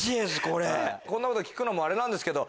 こんなこと聞くのもあれなんですけど。